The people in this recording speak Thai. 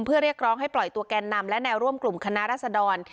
เพื่อเรียกร้องให้ปล่อยตัวแกนนำและแนวร่วมกลุ่มคณะรัศดร